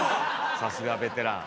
さすがベテラン。